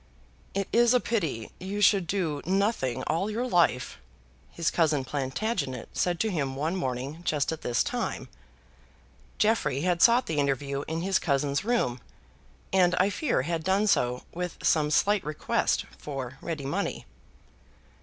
"It is a pity you should do nothing all your life," his cousin Plantagenet said to him one morning just at this time. Jeffrey had sought the interview in his cousin's room, and I fear had done so with some slight request for ready money.